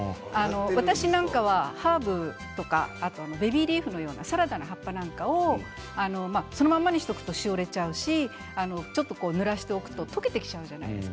私なんかはハーブとかベビーリーフのようなサラダの葉っぱなんかをそのままにしておくとしおれちゃうしちょっとぬらしておくと溶けてきちゃうじゃないですか。